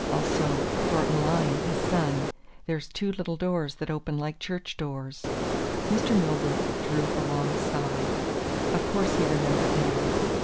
'Also Thornton Lyne, his son.' There's two little doors that open like church doors." Mr. Milburgh drew a long sigh. Of course, he remembered now.